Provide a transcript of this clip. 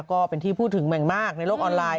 ก็เป็นที่พูดถึงอย่างมากในโลกออนไลน์